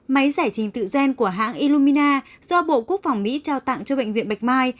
máy giải trình tự gen của hãng iuumina do bộ quốc phòng mỹ trao tặng cho bệnh viện bạch mai